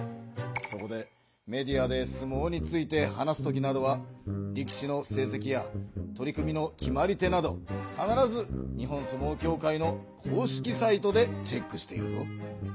そこでメディアで相撲について話すときなどは力士のせいせきや取組の決まり手などかならず日本相撲協会の公式サイトでチェックしているぞ。